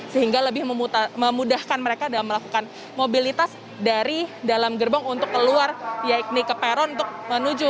sehingga lebih memudahkan mereka dalam melakukan mobilitas dari dalam gerbong untuk keluar yaitu ke peron untuk menuju